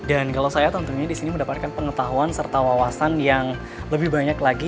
dan kalau saya tentunya disini mendapatkan pengetahuan serta wawasan yang lebih banyak lagi